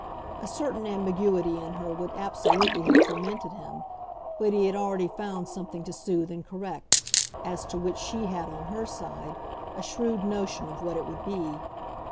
A certain ambiguity in her would absolutely have tormented him; but he had already found something to soothe and correct as to which she had, on her side, a shrewd notion of what it would be.